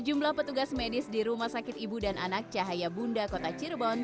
jumlah petugas medis di rumah sakit ibu dan anak cahaya bunda kota cirebon